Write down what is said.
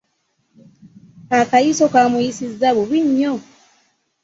Akayiso kamuyisizza bubi nnyo